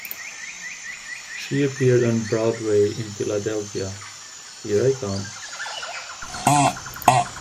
She appeared on Broadway in Philadelphia, Here I Come!